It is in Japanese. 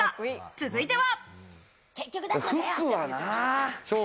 続いては。